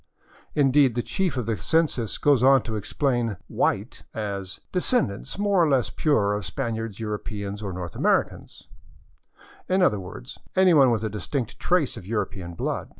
Indeed, the chief of the census goes on to explain *' white " as " descendants, more or less pure, of Spaniards, Europeans, or North Americans "— in other words, anyone with a distinct trace of European blood.